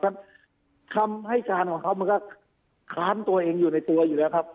คือคำให้การของเขามันก็ค้านตัวเองอยู่ในตัวอยู่แล้วครับ